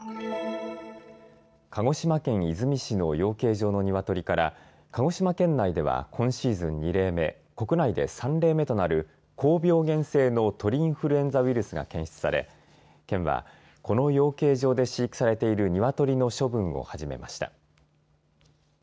鹿児島県出水市の養鶏場のニワトリから鹿児島県内では今シーズン２例目、国内で３例目となる高病原性の鳥インフルエンザウイルスが検出され県はこの養鶏場で飼育されているニワトリの処分を始めました。